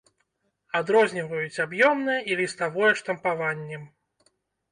Адрозніваюць аб'ёмнае і ліставое штампаваннем.